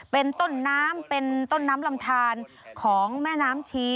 เป็นต้นน้ำเป็นต้นน้ำลำทานของแม่น้ำชี